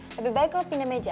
lebih baik lo pindah meja